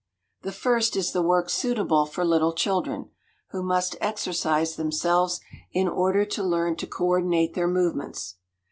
The first is the work suitable for little children, who must "exercise themselves in order to learn to coordinate their movements."